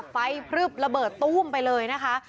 พลึบระเบิดตู้มไปเลยนะคะ